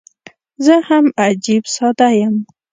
زه هم عجيب ساده یم.